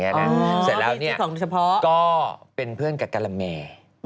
โอ้โหพี่ซื้อของเฉพาะเสร็จแล้วเนี่ยก็เป็นเพื่อนกับกะละแม